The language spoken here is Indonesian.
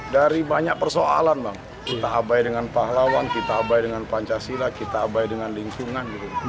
dari banyak persoalan bang kita abai dengan pahlawan kita abai dengan pancasila kita abai dengan lingkungan